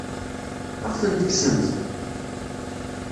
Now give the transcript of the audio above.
Ad aɣ-tent-tekksemt?